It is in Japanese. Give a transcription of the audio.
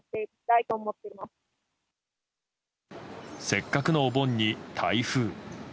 せっかくのお盆に台風。